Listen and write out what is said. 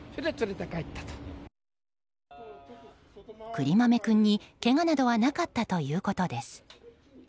くりまめ君にけがなどはなかったということです。